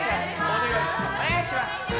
お願いします。